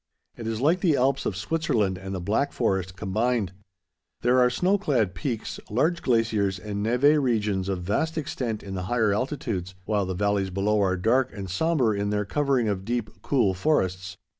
It is like the Alps of Switzerland and the Black Forest combined. There are snow clad peaks, large glaciers, and névé regions of vast extent in the higher altitudes, while the valleys below are dark and sombre in their covering of deep, cool forests.